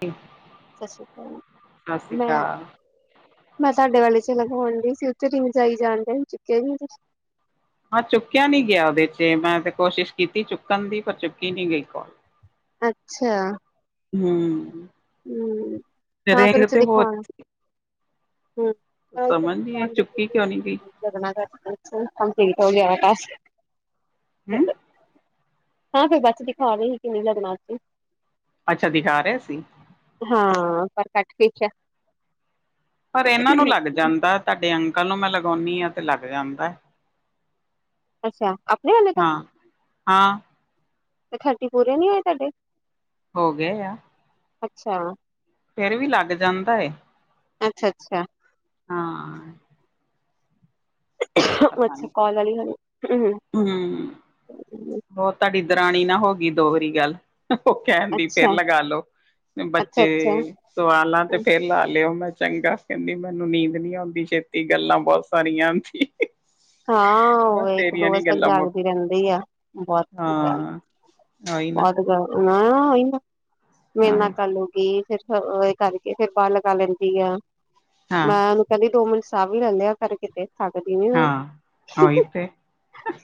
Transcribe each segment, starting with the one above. ਠੀਕ ਸਤਿ ਸ਼੍ਰੀ ਅਕਾਲ, ਮੈਂ ਮੈਂ ਤੁਹਾਡੇ ਵਾਲੇ ਚ ਲਗਾਉਣ ਡਈ ਸੀ, ਉੱਥੇ ਰਿੰਗ ਜਾਈ ਜਾਣਦੇ ਚੁੱਕੇਯਾ ਈ ਨਹੀ ਤੁਸੀ ਹਾਂ ਚੁੱਕਿਆ ਨੀ ਗਿਆ ਉਹਦੇ ਚ, ਮੈਂ ਤੇ ਕੋਸ਼ਿਸ਼ ਕੀਤੀ ਚੁੱਕਣ ਦੀ, ਪਰ ਚੁੱਕੀ ਨੀ ਗਈ ਕੌਲ ਅੱਛਾ ਹਮ ਹਾਂ ਚੱਲਿਆ ਫਿਰ ਉੱਥੇ ਕਿਥੇ ਹੋਰ ਦਿਖਾਉਣ ਹਮ ਸਮਝ ਨ ਆ ਚੁੱਕੀ ਕਿਉਂ ਨਹੀਂ ਗਈ ਨਾ ਕਰ ਗਿਆਸ [inaudible] ਹੂੰ ਹਾਂ ਫਿਰ ਬੱਸ ਦਿਖਾ ਰਹੀ ਸੀ, ਕਿੰਵੇਂ ਲਗਣਾ ਅਸੀ ਅੱਛਾ ਦਿਖਾ ਰਿਹਾ ਸੀ ਹਾਂ ਪਰ ਕਟ ਪੀਸ ਐ ਪਰ ਇਹਨਾਂ ਨੂੰ ਲੱਗ ਜਾਂਦਾ, ਤੁਹਾਡੇ ਅੰਕਲ ਨੂੰ ਮੈਂ ਲਗਾਉਦੀ ਆਂ, ਤਾਂ ਲੱਗ ਜਾਂਦਾ ਆ ਅੱਛਾ ਆਪਣੇ ਆੇ ਤੋਂ, ਹਾਂ ਤੇ ਥਰਚੇ ਪੂਰੇ ਨੀ ਹੋਏ ਤੁਹਾਡੇ ਹੋ ਗਏ ਆ ਅੱਛਾ ਫਿਰ ਵੀ ਲੱਗ ਜਾਂਦਾ ਏ ਅੱਛਾ ਅੱਛਾ ਹਾਂ ਅੱਛਾ, ਕਾੱਲ ਆਲੀ ਹੈ ਨੀ ਹੂ, ਹੋਰ ਤੁਹਾਡੀ ਦਰਾਣੀ ਨਾ ਹੋ ਗਈ, ਦੋ ਵਾਰੀ ਗੱਲ ਔ ਕਹਿੰਦੀ ਫੇਰ ਅੱਛਾ ਲਗਾ ਲੋਓ, ਅੱਛਾ ਬੱਚੇ ਅੱਛਾ ਸਵਾਲਾ ਤੇ ਫੇਰ ਲਾ ਲਿਓ, ਮੈਂ ਚੰਗਾ, ਕਹਿੰਦੀ ਮੈਨੂੰ ਨੀਂਦ ਨੀ ਆਉਂਦੀ ਛੇਤੀ ਗੱਲਾਂ ਬਹੁਤ [inaudible] ਸਰੀ ਹਾਂ, ਉਹ ਇੱਕ ਦੋ ਵਜੇ ਤੱਕ ਗੱਲਾਂ ਮੁੱਕ ਜਾਗਦੀ ਰਹਿੰਦੀ ਆ, ਬਹੁਤ ਹਾਂ ਉਹੀ ਨਾ ਬਹੁਤ ਗੱਲ, ਨਾ ਔਹੀ ਨਾ, ਮੇਰੇ ਹਾਂ ਨਾਲ ਗੱਲ ਹੋ ਗੀ, ਫਿਰ ਫਿਰ ਔ ਇਹ ਕਰਕੇ, ਫਿਰ ਬਾਹ ਲਗਾ ਲੈਂਦੀ ਆ, ਹਾਂ ਮੈਡਮ ਕਦੇ ਦੋ ਮਿੰਟ ਸਾਫਹ ਵੀ ਲੈਂ ਲੇਯਾ ਕਰ, ਕਿਥੇ ਹੱਟਦੀ ਨੀ ਉਹ, ਹਾਂ ਉਹੀ ਤੇ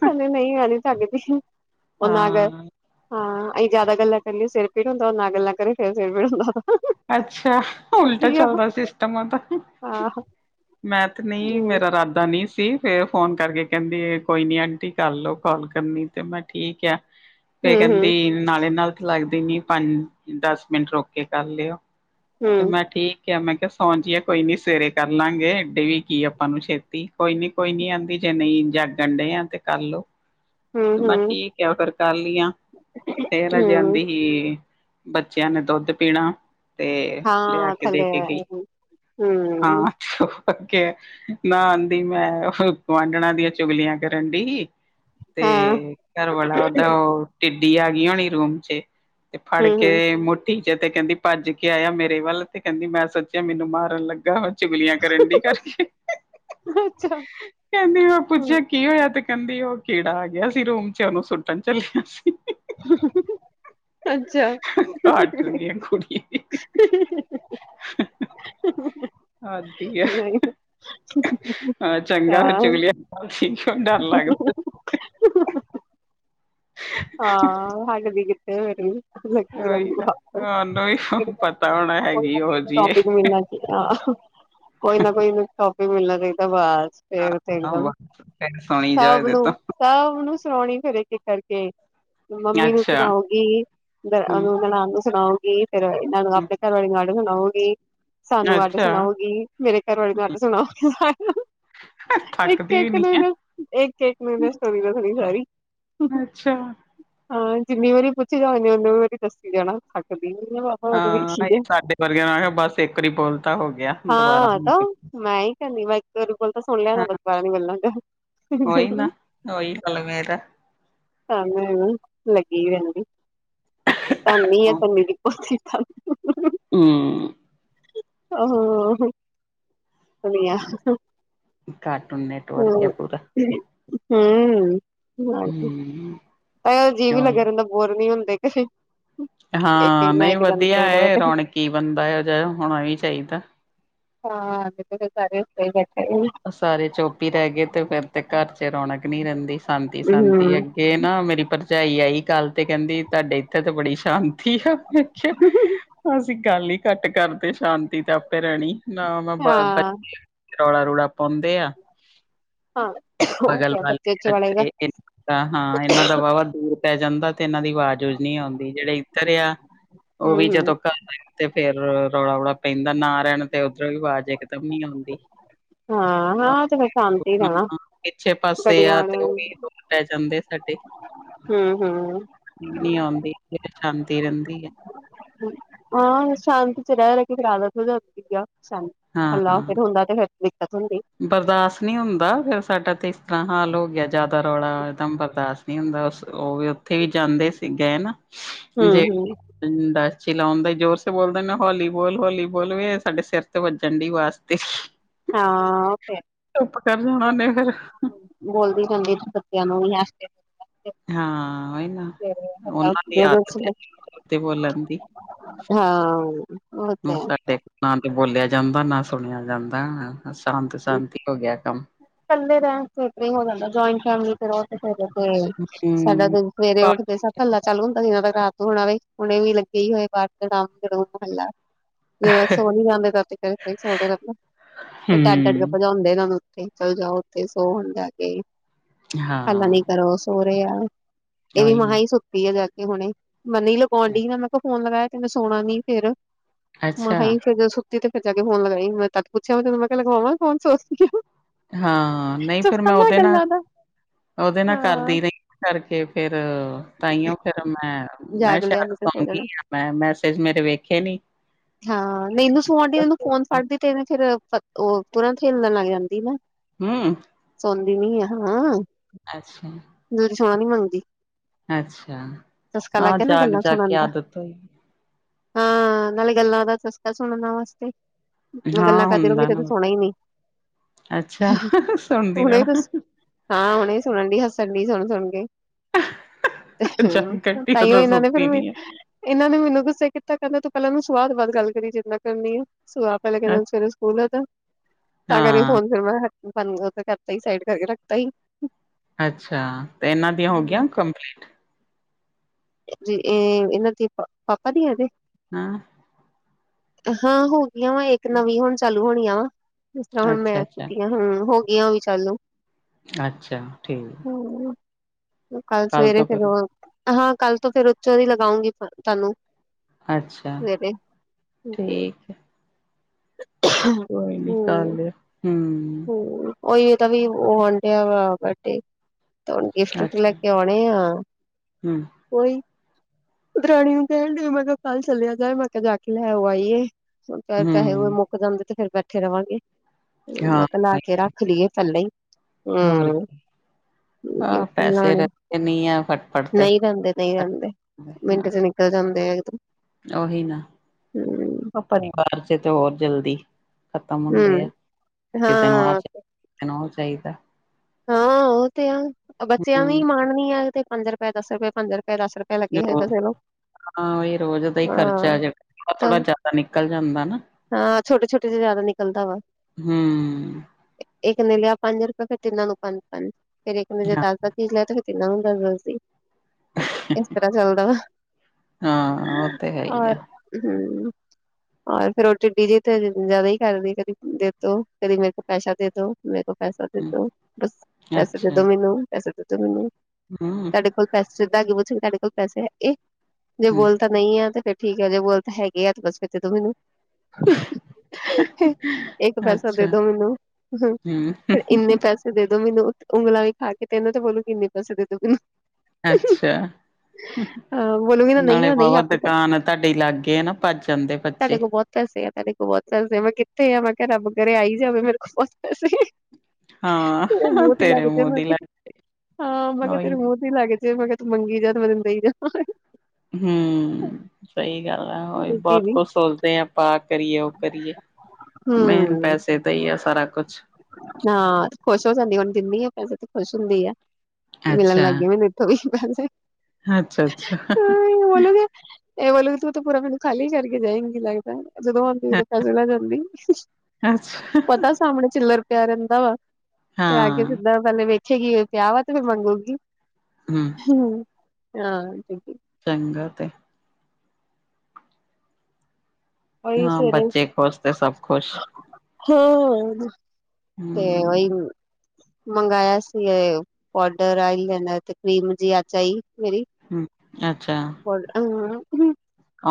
ਹਾਲੇ ਨਹੀ ਔ ਸਾਡੇ ਤੇ ਹੁਣ ਆ ਗਏ ਹਾਂ ਹਾਂ ਅਸੀਂ ਜਿਆਦਾ ਗੱਲਾਂ ਕਰੀਏ ਸਿਰ ਪੀੜ ਹੁੰਦਾ, ਔ ਨਾ ਗੱਲਾਂ ਕਰੇ, ਫੇਰ ਸਿਰ ਪੀੜ ਹੁੰਦਾ। ਅੱਛਾ, ਉਲਟਾ ਪੁੱਠੀ ਆ ਉਹ। ਚੱਲਦਾ ਸਿਸਟਮ ਆ ਤਾਂ ਹਾਂ ਮੈਂ ਤੇ ਨਹੀਂ, ਹੂੰ ਮੇਰਾ ਇਰਾਦਾ ਨਹੀਂ ਸੀ ਫੇਰ ਫੋਨ ਕਰਕੇ ਕਹਿੰਦੀ ਏ, ਕੋਈ ਨੀ ਆਂਟੀ ਕਰ ਲਓ ਕਾਲ ਕਰਨੀ ਤੇ, ਮੈਂ ਕੇਹਾ ਠੀਕ ਆ ਫੇਰ ਹੂੰ ਹੂੰ ਕਹਿੰਦੀ ਨਾਲੇ ਨਾਲ ਤਾਂ ਲੱਗਦੀ ਨੀ, ਪੰਜ ਦਸ ਮਿੰਟ ਰੁਕ ਕੇ ਕਰ ਲਿਓ ਤੇ ਮੈਂ ਹੂੰ ਠੀਕ ਕੇਹਾ ਮੈਂ ਕਿਹਾ ਸੋ ਜਾਈਏ ਕੋਈ ਨੀ ਸਵੇਰੇ ਕਰ ਲਾਂਗੇ, ਇਥੇ ਵੀ ਕੀ ਆਪਾਂ ਨੂੰ ਛੇਤੀ, ਕੋਈ ਨੀ, ਕੋਈ ਨੀ ਨੀਂਦ ਆਂਦੀ ਜੇ ਨਹੀਂ, ਜਾਗਣ ਡੇ ਆ, ਤੇ ਕਰ ਲੋ [unintelligible] ਤੇ ਮੈਂ ਹੂੰ ਠੀਕ ਐ, ਫਿਰ ਕਰ ਲਈ ਆ, ਫੇਰ ਅਜੇ ਹੂੰ ਆਂਦੀ ਕੀ ਬੱਚਿਆਂ ਨੇ ਦੁੱਧ ਪੀਣਾ ਤੇ ਲਿਆ ਹਾਂ ਕੇ ਦੇ ਥੱਲੇ ਕੇ ਗਈ, ਹੂੰ ਹਾਂ ਤੇ ਉਹ ਅੱਗੇ ਨਾ ਆਂਦੀ ਮੈਂ, ਓਹ ਗੁਆਂਢਣਾ ਦੀਆਂ ਚੁਗਲੀਆਂ ਕਰਨ ਡਈ। ਹਾਂ ਤੇ ਘਰਵਾਲਾ ਓਹਦਾ, ਉਹ ਟਿੱਡੀ ਆ ਗਈ ਹੋਣੀ ਰੂਮ ਚ ਤੇ ਫੜ ਹੂੰ ਹੂੰ ਕੇ ਮੁੱਠੀ ਚ, ਤੇ ਕਹਿੰਦੀ ਭੱਜ ਕੇ ਆਇਆ ਮੇਰੇ ਵੱਲ, ਤੇ ਕਹਿੰਦੀ ਮੈਂ ਸੋਚਿਆ ਮੈਨੂੰ ਮਾਰਨ ਲੱਗਾ ਵਾ। ਚੁਗਲੀਆਂ ਕਰਨ ਦੀ ਕਰਕੇ, ਅੱਛਾ ਕਹਿੰਦੀ ਉਹ ਪੁੱਛਿਆ ਹੂੰ ਕਿ ਕੀ ਹੋਇਆ ਤੇ ਕਹਿੰਦੀ ਉਹ ਕੀੜਾ ਆ ਗਿਆ ਸੀ ਰੂਮ ਚ, ਉਹਨੂੰ ਸੁੱਟਣ ਚੱਲਿਆ ਸੀ। ਅੱਛਾ। ਹੱਟ ਦੀ ਕੁੜੀ [unintelligible] ਹੱਦ ਈ ਐ, ਹਾਂ ਹਾਂ ਚੰਗਾ ਹੋਇਆ ਚੁਗਲੀਆਂ ਸ਼ੀਸ਼ੋ ਡਰ ਲੱਗਦਾ ਤੀ। ਹਾਂ, ਮਹਾਂ ਕਦੀ ਕਿਤੇ ਹੋਰ ਵੀ ਲੱਗੀ ਉਹੀ ਰਹਿੰਦੀ ਤਾਂ ਤਾਨੂੰ ਵੀ ਬਸ ਪਤਾ ਹੋਣਾ, ਹੈਗੀ ਉਹੋ ਜਿਹੀ ਏ। ਆਹ ਕੋਈ ਨਾ ਕੋਈ ਇਹਨੂੰ ਟੌਪਿਕ ਮਿਲਣਾ ਚਾਹੀਦਾ, ਬਾਸ। ਫੇਰ ਤੇ ਇੱਕਦਮ, ਸੋਣੀ ਜਾਓ ਸਬ ਇਹਦੇ ਨੂੰ ਤੋਂ ਸਭ ਨੂੰ ਸੁਣਾਉਣੀ ਫਿਰ ਇੱਕ-ਇੱਕ ਕਰਕੇ। ਮੰਮੀ ਨੂੰ ਅੱਛਾ ਸੁਣਾਉਗੀ, ਦ ਅ ਹੂੰ ਨਨਾਣ ਨੂੰ ਸੁਣਾਉਗੀ, ਫੇਰ ਇਹਨਾਂ ਨੂੰ ਆਪਣੇ ਘਰ ਵਾਲੇ ਨੂੰ ਅੱਡ ਸਣਾਊਗੀ। ਸਾਨੂੰ ਅੱਡ ਅੱਛਾ ਸਣਾਊਗੀ, ਮੇਰੇ ਘਰਵਾਲੀ ਨੂੰ ਅੱਡ ਸਣਾਊਗੀ, ਸਾਨੂੰ ਥੱਕਦੀ ਵੀ ਨਹੀਂ ਐ। ਇੱਕ-ਇੱਕ ਮੈਂ ਦਸ ਦਾ ਸਟੋਰੀ ਥੋਡੀ ਸਾਰੀ। ਅੱਛਾ। ਹਾਂ ਜਿੰਨੀ ਵਾਰੀ ਪੁੱਛੀ ਜਾਵਾਂਗੇ, ਉਨੇ ਵਾਰੀ ਦੱਸੀ ਜਾਣਾ ਥੱਕਦੀ ਨੀ ਐ, ਆਪਾਂ ਤਾਂ ਦੇਖੀ ਐ। ਵਰਗਿਆ ਮੈਂ ਕਿਹਾ, ਬਸ ਇੱਕ ਵਾਰੀ ਬੋਲਤਾ ਹੋ ਗਿਆ। ਦੁਬਾਰਾ ਹਾਂ, ਨੀ। ਤਾਂ ਮੈਂ ਹੀ ਕਹਿੰਦੀ ਮੈਰੇ ਕੋਲ ਤਾਂ ਸੁਣ ਲਿਆ, ਤਾਂ ਦਬਾਰਾ ਨੀ ਬੋਲਣਾ ਹੁੰਦਾ। ਓਹੀ ਨਾ, ਓਹੀ ਹਾਲ ਮੇਰਾ। ਧੰਨ ਐ ਲੱਗੀ ਰਹਿੰਦੀ, ਧੰਨ ਈ ਐ ਹੂੰ ਪੰਮੀ ਦੀ ਪੋਤੀ। [unintelligible] [inaudible] ਆ ਹੰ ਵਡੀਆ। ਘੱਟ ਹੁੰਦੇ ਹੁਣ ਹੂੰ [inaudible] ਹੂੰ ਤਾਂ ਉਹਦਾ ਜੀਅ ਵੀ ਉਹੀ ਲੱਗਿਆ ਰਹਿੰਦਾ, ਬੋਰ ਨੀ ਹੁੰਦੇ ਕਦੀ। ਹਾਂ ਨਹੀਂ ਵਧੀਆ ਐ, ਤੇ ਰੌਣਕੀ ਬੰਦਾ ਇਹੋ ਜਾ ਹੋਣਾ ਵੀ ਚਾਹੀਦਾ। ਹਾਂ, ਕਿੱਦਰ ਗਏ ਸਾਰੇ। ਇਹ ਬੈਠਾ ਉਂ ਵੀ ਸਾਰੇ ਚੁੱਪ ਹੀ ਰਹਿ ਗਏ, ਤੇ ਫੇਰ ਤੇ ਘਰ ਚ ਰੌਣਕ ਨੀ ਰਹਿੰਦੀ, ਸ਼ਾਂਤੀ-ਸ਼ਾਂਤੀ ਹੂੰ ਹੈਗੀ। ਇਹ ਨਾ ਮੇਰੀ ਭਰਜਾਈ ਆਈ ਕੱਲ ਤੇ ਕਹਿੰਦੀ, ਤੁਹਾਡੇ ਇੱਥੇ ਤੇ ਬੜੀ ਸ਼ਾਂਤੀ ਐ, ਮੈਂ ਕਿਆ ਅਸੀਂ ਗੱਲ ਹੀ ਘੱਟ ਕਰਦੇ, ਸ਼ਾਂਤੀ ਤੇ ਆਪੇ ਰਹਿਣੀ। ਨਾ ਮੈਂ ਹਾਂ ਬੱਚੇ ਰੌਲਾ ਰੂਲਾ ਪਾਉਂਦੇ ਆ। ਹਾਂ ਬਗਲ ਬੱਚੇ ਉੱਚੇ ਦਾ ਵਾਲੇ ਦਾ [inaudible] ਹਾਂ ਇਹਨਾਂ ਦਾ ਵਾਹਵਾ ਦੂਰ ਪੈ ਜਾਂਦਾ, ਤੇ ਇਹਨਾਂ ਦੀ ਵਾਜ਼ ਵੂਜ ਨੀ ਆਉਂਦੀ, ਜਿਹੜੇ ਇੱਧਰ ਆ ਉਹ ਹੂੰ ਵੀ ਹੂੰ ਜਦੋਂ ਘਰ ਰਹਿਣ ਤੇ ਫੇਰ ਰੌਲਾ ਰੂਲਾ ਪੈਂਦਾ, ਨਾ ਰਹਿਣ ਤੇ ਓਧਰੋਂ ਵੀ ਆਵਾਜ਼ ਇਕਦਮ ਨੀ ਆਉਂਦੀ। ਆਹ, ਹਾਂ-ਹਾਂ, ਚੰਗਾ ਸ਼ਾਂਤ ਈ ਰਹਿਣਾ। ਹਾਂ, ਪਿੱਛੇ ਪਾਸੇ ਗੱਡੀਆਂ ਆ, ਆਲੀਆਂ ਤੇ ਉਹ ਵੀ ਦੂਰ ਪੈ ਜਾਂਦੇ ਆ ਸਾਡੇ। ਹੂੰ-ਹੂੰ, ਨੀਂਦ ਨੀ ਆਉਂਦੀ, ਜਦੋਂ ਸ਼ਾਂਤੀ ਰਹਿੰਦੀ ਐ। ਹਾਂ, ਸ਼ਾਂਤੀ ਚ ਰਹਿ-ਰਹਿ ਕੇ ਫਿਰ ਆਦਤ ਹੋ ਜਾਂਦੀ ਐ ਸਾਨੂੰ। ਹੱਲਾ ਹਾਂ ਫੇਰ ਹੁੰਦਾ, ਤੇ ਫੇਰ ਦਿੱਕਤ ਹੁੰਦੀ। ਬਰਦਾਸ਼ਤ ਨਹੀਂ ਹੁੰਦਾ। ਫ਼ੇਰ ਸਾਡਾ ਤੇ ਇਸ ਤਰ੍ਹਾਂ ਹਾਲ ਹੋ ਗਿਆ। ਜ਼ਿਆਦਾ ਰੌਲਾ ਦਮ ਬਰਦਾਸ਼ ਨਹੀਂ ਹੁੰਦਾ। ਉਹ ਵੀ ਉੱਥੇ ਵੀ ਜਾਂਦੇ ਸੀਗੇ ਨਾਂ। ਹੂੰ ਜੇ। ਹੂੰ ਦਾ ਚਲਾਾਉਂਦੇ ਜ਼ੋਰ ਸੇ ਬੋਲਦੇ ਹੌਲੀ ਬੋਲ ਹੌਲੀ ਬੋਲ ਵੀ ਸਾਡੇ ਸਿਰ। ਤੇ ਵੱਜਣ ਡ ਵਾਸਤੇ। ਹਾਂ ਫਿਰ ਚੁੱਪ ਕਰ ਜਾਣਾ। ਉਹੇ ਫੇਂਰ ਬੋਲਦੀ ਜਾਂਦੀ। ਬੱਚਿਆਂ ਨੂੰ ਵੀ ਹਾਂ ਨਾ ਉਹਨਾਂ ਦੀ ਆਦਤ ਹੈ। ਬੋਲਣ ਦੀਂ ਹਾਂ ਉਹ ਤੇ। ਨਾਂ ਤੇ ਬੋਲਿਆ ਜਾਂਦਾ। ਨਾ ਸੁਣਿਆ ਜਾਂਦਾ ਸ਼ਾਂਤ ਸ਼ਾਂਤੀ ਹੋ ਗਿਆ। ਕੰਮ ਇਕੱਲੇ ਦਾ ਫਿਰ ਹੋ ਜਾਂਦਾ। ਜੁਆਇੰਟ ਫੈਮਲੀ ਫਿਰ ਉਹ ਫਿਰ ਤੇ ਸਾਡਾ ਹੂੰ ਦਾ। ਸਵੇਰੇ ਉੱਠਦੇ ਸਭ ਹੱਲਾ ਚੱਲੂ ਹੁੰਦਾ। ਜਿਨਾਂ ਦਾ ਰਾਤ ਹੋਣਾ ਹੋਵੇ। ਹੁਣੇ ਵੀ ਲੱਗੇ ਹੀ ਹੋਏ ਬਾਹਰਮ ਵੀ ਹੁੰਦਾ ਹੱਲਾ। ਜਦੋਂ ਸੋ ਨੀਂ ਜਾਂਦੇ। ਸੋਦੇ ਰਦਾ ਫ ਡਡ। ਹੂੰ ਹੁੰਦੇ ਤੁੰ ਉਥੇ ਚਲ ਜਾਓ। ਉੱਥੇ ਸੋ ਹੁਣ ਲੈ ਕੇ ਹੱਲ ਨੀ ਹਾਂ ਕਰੋ। ਸੋਹਰੇ ਆ। ਇਹ ਵੀ ਉਹੀ ਮੈਂ ਨਾ ਹੀ ਸੁੱਤੀ ਆ ਜਾ ਕੇ। ਹੁਣੇ ਮੰਨੀ ਲਗਾਉਣ ਡਈ ਨਾ। ਮੈਂ ਕੋਲ ਫੋਨ ਲਗਾਇਆ। ਤੇਨੈਂ ਸੋਣਾ ਨੀ ਫੇਰ ਮਸਾ ਅੱਛਾ ਕਿਹਾ ਹੀ ਫਿਰ। ਤੇ ਫਿਰ ਜਾਂ ਫੋਨ ਲਗਾਈ। ਮੈਂ ਤਦ ਪੁੱਛਿਆ ਮੈਂਨੂੰ ਮੈਂ ਕਿਹਾ ਲਗਵਾਾਂ ਫੋਨ ਸੋਚ ਕੇ। ਹਾਂ ਨਹੀਂ ਫਿਰ। ਮੈਂ ਉਹਦੇ ਨਾਲ ਦਾ ਉਹਦੇ ਨਾਲ ਹਾਂ ਕਰਦੀ ਰਹੀਂ ਕਰਕੇ ਫਿਰ ਤਾਈਓ। ਫਿਰ ਮੈਂ ਮੈਂ ਜਾਗ ਲਿਆ ਸ਼ੈਲ ਨੀ ਤੇ ਸੌ ਸੋ ਗ ਜਾਣਾ ਹਾਂ। ਮੈਂ ਮੈਸੇਜਿੰਗ ਮੇਰੇ ਵੇਖੇ ਨੀ। ਹਾਂ ਨਹੀਂ ਇਹਨੂੰ ਸੋਣ ਦੀ ਇਹਨੂੰ ਫੋਨ ਫੜਦੀ। ਤੇਨੇ ਫਿਰ ਉਹ ਪਰਾ ਖੇਲਣ ਲੱਗ ਜਾਂਦੀ ਨਾ। ਹਮ। ਸੋਦੀ ਨਹੀਂ ਹਾਂ। ਅੱਛਾ। ਦਿਨਾਂ ਛਾਂ ਨੀ ਮੰਗਦੀ। ਅੱਛਾ ਚਸਕਾ ਲੱਗ ਆਹ ਗਿਆ ਨਾ ਜਾਗ ਗੱਲਾਂ ਜਾਗ ਕੇ ਸੁਣਨ ਦਾ ਆਦਤ ਪੈ ਗਈ। ਹਾਂ ਨਾਲੇ ਗੱਲ ਦਾ ਸਸ ਸੁਣ ਨ ਵਸਤੇ। ਮੈਂ ਗੱਲਾਂ ਹਾਂ ਕਰਦੀ ਰਹਗੀ ਹੁੰਦਾ ਤੂੰ ਨਾ ਸੋਣਾ ਹੀ ਨੀ। ਅੱਛਾ ਸੁਣਦੀ ਹੁਣੇ ਰਹਿਣਾ। ਤੁਸ ਹਾਂ ਹੁਣੇ ਸੁਣਨ ਡੇ ਹੱਸਣ ਡੈਈ ਸੁਣ ਸੁਣ ਕੇ। ਜਾਗ ਕੱਟੀ ਤਾਈਓ ਉਦੋਂ ਇਹਨਾਂ ਨੇ ਫਿਰ ਸੁੱਤੀ ਮੈਂ। ਨੀ ਇਹਨਾਂ ਨੇ ਮੈਨੂੰ ਗੁੱਸੇ ਕੀਤਾ ਕਹਿੰਦਾ। ਤੂੰ ਪਹਿਲਾਂ ਇਹਨੂੰ ਸੁਆਦ ਬਾਅਦ ਗੱਲ ਕਰੀ ਜਿੰਦੇ ਨਾਲ ਕਰਨੀ ਆ। ਸੁਦ ਪਹਿਲੇ ਆ ਕਹਿੰਦੇ ਸਵੇਰੇ ਸਕੂਲ ਆ। ਤਾਂ ਕਰੀ ਹਾਂ ਫੋਨ ਫੇਰ ਮੈਂ ਕਰਤਾ ਹੀ ਸਾਈਡ ਕਰਕੇ ਰੱਖਤਾ ਹੀ। ਅੱਛਾ। ਤੇ ਇਹਨਾਂ ਦੀਆਂ ਹੋ ਗੀਆਂ ਕੰਪਲੀਟ। ਇਹ ਇਹਨਾਂ ਦੇ ਪਾਪਾ ਦੀ ਆਜੇ। ਹਾਂ ਹਾਂ ਹੋ ਗਈਆਂ ਵਾ, ਇੱਕ ਨਵੀਂ ਹੁਨ ਚਾਲੂ ਹੋਣੀ ਆ। ਜਿਸ ਤਰ੍ਹਾਂ ਹੁਣ ਅੱਛਾ ਮੈਂ ਅੱਛਾ ਕੀਤੀਆਂ ਹ ਹੋ ਗਈ ਵੀ ਚੱਲ। ਅੱਛਾ ਠੀਕ ਹੈ। ਹੁ ਕੱਲ ਸਵੇਰੇ ਫੇਰ ਕਰੋ ਉਹ ਹਾਂ- ਕੱਲ ਤੋਂ ਫੇਰ ਉੋਂਦੇ ਹੀ ਲਗਾਉਂਗੀ ਤੁਹਾਨੂੰ। ਅੱਛਾ ਸ [inaudible] [inaudible] ਠੀਕ ਕੋਈ ਨੀ ਹੂੰ ਕੱਲ ਹਮ। [unintelligible] ਹੂੰ ਉਹੀ ਤਾਂ ਵੀ ਉਹ ਆ ਡਿਆ ਵਾ ਵੱਡੇ ਤੇ ਗਿਫਟ ਗੁਫਟ ਲੈ ਕੇ ਆਉਣੇ ਆਂ। ਹਮ। ਕੋਈ ਕ ਮੈਂ ਕਿਹਾ ਫਾਲ ਚਲਿਆ ਜਾਏ ਮੈਂ ਕਿਹਾ ਦਖਿਲ ਹੈ ਉਹ ਆਈਏ [unintelligible] ਪੈਸੇ ਹੈ ੳਹ, ਹੂੰ ਮੁੱਕ ਜਾਂਨਦੇ ਤੇ ਫੇਰ ਬੈੇ ਉੱਥੇ ਰਵਾਂਗੇ ਹਾਂ ਮੈਂ ਕਿਹਾ ਲਾ ਕੇ ਰੱਖ ਲਈ ਏ ਥੱਲੇ ਹੀ। ਹੋਰ ਹਮ ਕੀ ਆਹ ਪੈਸੇ ਰਸਤੇ ਨੀ ਆ ਫਟਫਟ ਤੇ ਨਹੀਂ [unintelligible] [unintelligible] ਨਹੀਂ ਜਾਂਦੇ ਮਿੰਟ ਚ ਨਿਕਲ ਜਾਂਦੇ ਇੱਕਦਮ ਓਹੀ ਨਾ ਹੂੰ ਉਹ ਪਰਿਵਾਰ ਚ ਤੇ ਹੋਰ ਜਲਦੀ ਖਤਮ ਹੁੰਦੇ ਆ। ਹੂੰ ਕਿਸੇ ਨੂੰ ਆਹ ਚ। ਹਾਂ ਕਿਸੇ ਨੂੰ ਉਹ ਚਾਹੀਦਾ। ਹਾਂ ਉਹ ਤੇ ਆ ਬੱਚਿਆਂ ਨੂੰ ਹੀ ਹੂੰ ਮਾਣਨੀ ਆ। ਤੇ ਪੰਜ ਰੁਪਏ ਦਸ ਰੁਪਏ ਪੰਜ ਰੁਪਏ ਦਸ ਰੁਪਏ। ਪੈ ਲੱਗੇ ਰੋਜ਼ ਹੋਏਗਾ ਨੂੰ [unintelligible] [unintelligible] ਹਾਂ ਰੋਜ਼ ਦਾ ਹੀ ਹਾਂ ਖਰਚਾ। ਜਿਹੜਾ ਥੋੜਾ ਤਾਂ ਜਿਆਦਾ ਨਿਕਲ ਜਾਂਦਾ ਨਾਂ। ਹਾਂ ਛੋਟੇ ਛੋਟੇ ਚ। ਜ਼ਿਆਦਾ ਨਿਕਲਦਾ ਵਾ। ਹਮ। ਇੱਕ ਨੇ ਲਿਆ ਪੰਜ ਰੁਪਏ। ਫੇਰ ਤਿੰਨਾਂ ਲੋਕਾਂ ਨੂੰ ਪੰਜ ਪੰਜ। ਫ਼ਿਰ ਇੱਕ ਨੇ ਜੇ ਹਾਂ ਦੱਸ ਦਾ। ਤਿੰਨਾਂ ਨੂੰ ਦਸ ਦਸ ਦੇ। [unintelligible] ਇਸ ਤਰ੍ਹਾਂ ਚੱਲਦਾ ਵਾ ਹਾਂ ਉਹ ਤੇ ਹੈ ਹੀ ਆ ਔਰ ਹਮ। ਔਰ ਫੇਰ ਰੋਟੀ ਡੀ ਜੀ ਤੇ। ਜ਼ਿਆਦਾ ਹੀ ਕਰਦੀ। ਕਦੀ ਦੇ ਦੋ ਕਦੀ ਮੇਰੇ ਕੋਲ ਪੈਸਾ ਦੇ ਦੋ। ਮੇਰੇ ਕੋ ਪੈਸਾ ਹੂੰ, ਦੇਦੋ ਬਸ ਪੈਸੇ ਦੇ ਅੱਛਾ ਦੋ ਮੈਨੂੰ ਪੈਸੇ ਦੇਦੋ ਮੈਨੂੰ ਹੂੰ ਤੁਡੇ ਕੋਲ ਪੈਸੇ ਸਿੱਧਾਂ ਪੁੱਛ ਤੁਹਾਡੇ ਕੋਲ ਪੈਸੇ ਹੈ। ਇਹ ਜੇ ਹੂੰ ਬੋਲ ਨਈ ਐ ਤੇ ਫੇਰ ਠੀਕ ਐ ਜੇ ਬੋਲ ਤਾਂ ਹੈਗੇ ਆ ਤੇ ਬਸ ਫੇਰ ਦੇਦੋ ਮੈਨੂੰ ਇੱਕ ਪੈਸਾ ਦੇ ਅੱਛਾ ਦੋ ਮੈਨੂੰ ਹੂੰ ਪਰ ਇੰਨੇ ਪੈਸੇ- ਦੇ ਦੋ ਮੈਨੂੰ ਉਹ ਮਲਾਈ ਖਾ ਕੇ ਤਿੰਨੋ ਬੋਲੋ ਕਿੰਨੇ ਪੈਸੇ ਦੇ ਦੋ ਮੈਨੂੰ ਅੱਛਾ ਹਾਂ ਬੋਲੂਗੀ ਨਾ ਨਹੀਂ ਨਾਲੇ ਆ ਨਹੀਂ ਪਾਵਾ ਆਪ ਦਕਾਨ ਤੁਹਾਡੇ ਲਾਗੇ ਆ ਨਾ ਭੱਜ ਜਾਂਦੇ। ਤੁਹਾਡੇ ਬੱਚੇ। ਕੋਲ ਬਹੁਤ ਪੈਸੇ ਐ, ਤੁਹਾਡੇ ਕੋਲ ਬਹੁਤ ਪੈਸੇ ਐ, ਮੈਂ ਕਿਆ ਕਿੱਥੇ ਆ ਮੈਂ ਕਿਹਾ ਰੱਬ ਕਰੇ ਆ ਈ ਜਾਵੇ ਮੇਰੇ ਕੋਲ ਬਹੁਤ ਪੈਸੇ। ਤੇਰੇ ਹਾਂ ਮੋਤੀ ਤੇਰੇ ਲੱਗਦੇ ਮੂੰਹ ਦੀ ਮ ਲੱਗ ਹਾਂ ਮਗ ਉਹੀ ਤੇਰੇ ਮੋਤੀ ਲੱਗ ਜ ਮਗ ਤੂੰ ਮੰਗੀ ਜਾ ਤੇ ਮੈਨੂੰ ਦਈ ਜਾ ਹੁ- ਸਹੀ ਗੱਲ ਹੈ, ਉਹੀ ਬਹੁਤ ਕੁਝ ਸੋਚਦੇ ਹਾਂ ਆਪਾਂ ਆਹ ਕਰੀਏ ਉਹ ਕਰੀਏ। ਮੇਨ ਹੂੰ ਪੈਸੇ ਦਾਹੀ ਆ ਸਾਰਾ ਕੁਛ ਹਾਂ ਖੁਸ਼ ਹੋ ਜਾਂਦੀ ਹੁਣ ਦਿੰਨੀ ਆ ਪੈਸੇ ਤੇ ਖੁਸ਼ ਹੁੰਦੀ ਐ ਮਿਲਨ ਲੱਗ ਗਏ ਮੈਨੂੰ [unintelligible] ਅੱਛਾ ਅੱਛਾ। ਬੋਲੋਗੇ ਇਹ ਬੋਲੋ ਕਿ ਤੂੰ ਤਾਂ ਪੂਰਾ ਮੈਨੂੰ ਖਾਲੀ ਕਰਕੇ ਜਾਏਗੀ ਲੱਗਦਾ ਜਦੋਂ ਆਉਂਦੀ ਅੱਛਾ ਉਦੋਂ ਪੈਸੇ ਲੈ ਜਾਂਦੀ- ਅੱਛਾ। ਪਤਾ ਸਾਹਮਣੇ ਚਿੱਲਰ ਪਿਆ ਰਹਿੰਦਾ ਵਾ ਤੇ ਆ ਕੇ ਹਾਂ ਸਿੱਧਾ ਪਹਿਲੇ ਵੇਚੇਗੀ ਏ ਕਿਆ ਬਾਤ ਮੰਗੂਗੀ ਹੂ,,, ਹੂ ਹਾਂ ਚੰਗਾ ਤੇ ਓਈ ਹਾਂ ਸਵੇਰੇ ਬੱਚੇ ਖੁਸ਼ ਤੇ ਸਭ ਖੁਸ਼ ਹਾਂ ਤੇ ਐਵੇਂ ਹੂੰ। ਹੁਣ ਮੰਗਾਇਆ ਸੀ ਇਹ ਪੋਡਰ, ਆਇਲੇਨਰ ਤੇ ਕਰੀਮ ਜੀ ਆਚਾਈ ਮੇਰੀ- ਹੂ ਅੱਛਾ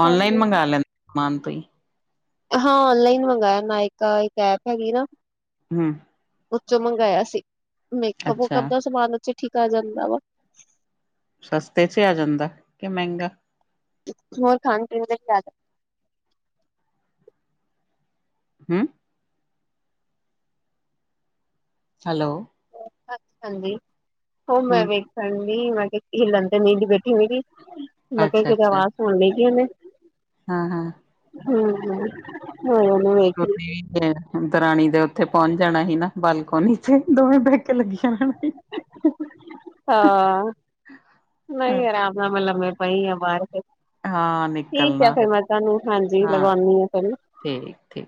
ਔਨਲਾਈਨ ਮੰਗਵਾ ਲੈਂਦੇ ਸਮਾਨ ਤੁਸੀਂ ਹਾਂ ਔਨਲਾਈਨ ਮੰਗਇਆ ਨਾਇਕਾ ਇੱਕ ਐਪ ਹੈਗੀ ਨਾ। ਹੂੰ। ਉੱਚੋਂ ਮੰਗਾਇਆ ਸੀ ਮੇਕਅਪ ਮੁਕਪ ਅੱਛਾ ਦਾ ਸਮਾਨ ਉੱਚੋਂ ਠੀਕ ਆ ਜਾਂਦਾ ਵਾ ਸਸਤੇ ਚ ਆ ਜਾਂਦਾ, ਕੇ ਮਹਿੰਗਾ? ਹੋਰ ਖਾਣ ਪੀਣ ਦਾ ਜ਼ਿਆਦਾ। ਹੂ,,, ਹੈਲੋ। ਅੱਛਾ ਜੀ ਹੋ ਮੈਂ ਹੂੰ ਵੇਖਣ ਮੈਂ ਕਿਹਾ ਲੰਡਨ ਤੇ ਦੀ ਬੇਟੀ ਮੇਰੀ ਮੈਂ ਕਿਹਾ ਅੱਛਾ ਕਿਤੇ ਅੱਛਾ ਆਵਾਜ਼ ਸੁਣ ਲਈ ਇੰਨੇ। ਹਾਂ ਹਾਂ। ਹੂ,,, ਹਾਂ [unintelligible] [unintelligible] ਕੋ [unintelligible] [unintelligible] ਦਰਾਣੀ ਦੇ ਉੱਥੇ ਪਹੁੰਚ ਜਾਣਾ ਸੀ ਨਾ ਬਾਲਕੋਨੀ ਚ ਦੋਵੇਂ ਬਹਿ ਕੇ ਲੱਗੀਆਂ ਰਣਾ ਸੀ ਹਾਂ, ਨਹੀਂ ਅਰਾਮ ਨਾਲ ਮੈਂ ਲੰਮੇ ਪਈ ਆ ਬਾਹਰ ਕੇ ਹਾਂ ਠੀਕ ਹੈ ਨਿਕਲਣਾ ਫਿਰ ਮੈਂ ਤੁਹਾਨੂੰ ਹਾਂਜੀ ਕਰਵਾਂਦੀ ਹਾਂ ਕੱਲ ਠੀਕ ਹੈ।